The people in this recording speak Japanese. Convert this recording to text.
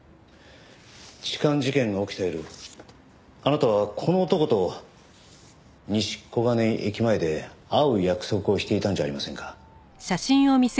痴漢事件が起きた夜あなたはこの男と西小金井駅前で会う約束をしていたんじゃありませんか？